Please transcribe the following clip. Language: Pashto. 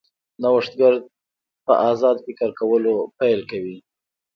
نوښتګر په ازاد فکر کولو پیل کوي.